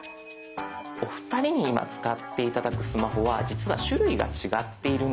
お二人に今使って頂くスマホは実は種類が違っているんです。